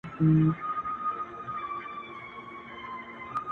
بې پلاره ونه چي پر دواړو بارخوگانو ښکل کړه;